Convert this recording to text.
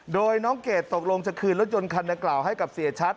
โดยน้องเกดตกลงจะคืนรถยนต์คันดังกล่าวให้กับเสียชัด